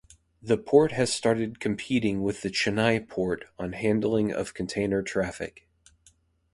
The port has started competing with the Chennai Port on handling of container traffic.